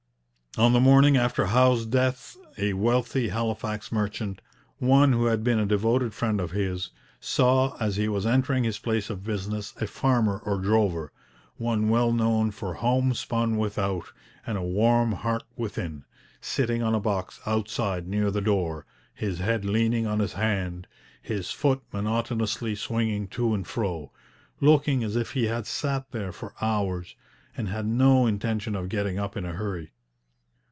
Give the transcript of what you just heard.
On the morning after Howe's death a wealthy Halifax merchant, one who had been a devoted friend of his, saw as he was entering his place of business a farmer or drover, one well known for 'homespun without, and a warm heart within,' sitting on a box outside near the door, his head leaning on his hand, his foot monotonously swinging to and fro, looking as if he had sat there for hours and had no intention of getting up in a hurry.